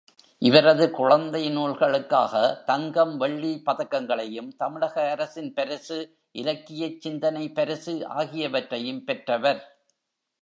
இவரது குழந்தை நூல்களுக்காக, தங்கம், வெள்ளி பதக்கங்களையும், தமிழக அரசின் பரிசு, இலக்கியச் சிந்தனை பரிசு ஆகியவற்றையும் பெற்றவர்.